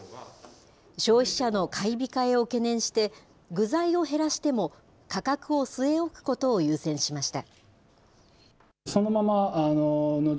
消費者の買い控えを懸念して、具材を減らしても、価格を据え置くことを優先しました。